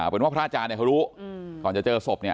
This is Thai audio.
เป็นว่าพระอาจารย์เขารู้ก่อนจะเจอศพเนี่ย